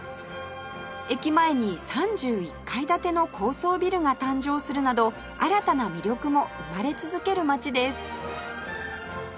駅前に３１階建ての高層ビルが誕生するなど新たな魅力も生まれ続ける街です